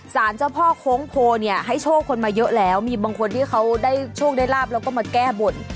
สารเจ้าพ่อโค้งโพเนี่ยให้โชคคนมาเยอะแล้วมีบางคนที่เขาได้โชคได้ลาบแล้วก็มาแก้บน